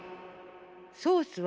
ソースは。